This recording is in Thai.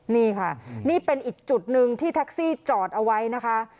นี่ค่ะนี่เป็นอีกจุดหนึ่งที่แท็กซี่จอดเอาไว้นะคะ